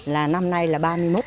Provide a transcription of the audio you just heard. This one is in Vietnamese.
là năm nay là ba năm rồi